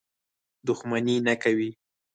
دښمني نه کوي.